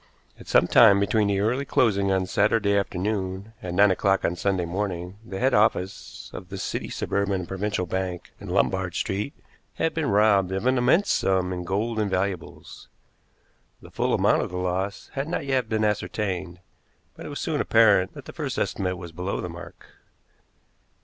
At some time between the early closing on Saturday afternoon and nine o'clock on Sunday morning the head office of the City, Suburban and Provincial Bank, in Lombard Street, had been robbed of an immense sum in gold and valuables. The full amount of the loss had not yet been ascertained, but it was soon apparent that the first estimate was below the mark.